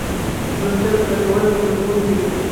لوستل ګټور او په زړه پوري دي.